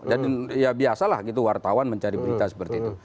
jadi ya biasalah gitu wartawan mencari berita seperti itu